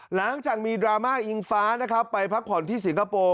หลังจากมีดราม่าอิงฟ้านะครับไปพักผ่อนที่สิงคโปร์